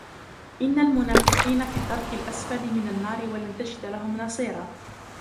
إِنَّ الْمُنَافِقِينَ فِي الدَّرْكِ الْأَسْفَلِ مِنَ النَّارِ وَلَنْ تَجِدَ لَهُمْ نَصِيرًا